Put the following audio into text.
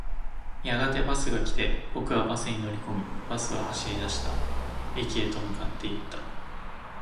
やがてバスが来て、僕はバスに乗り込み、バスは走り出した。駅へと向かっていった。